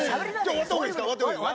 終わった方がいいね。